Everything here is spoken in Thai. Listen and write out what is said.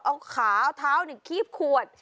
ยกขึ้นยทรก